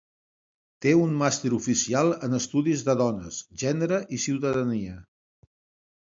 Té un Màster Oficial en Estudis de Dones, Gènere i Ciutadania.